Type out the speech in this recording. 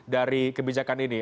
dari kebijakan ini